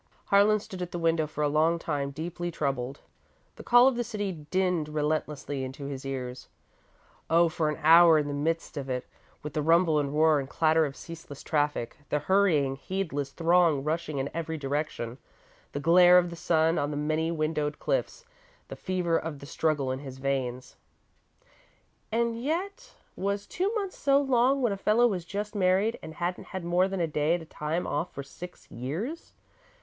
Harlan stood at the window for a long time, deeply troubled. The call of the city dinned relentlessly into his ears. Oh, for an hour in the midst of it, with the rumble and roar and clatter of ceaseless traffic, the hurrying, heedless throng rushing in every direction, the glare of the sun on the many windowed cliffs, the fever of the struggle in his veins! And yet was two months so long, when a fellow was just married, and hadn't had more than a day at a time off for six years?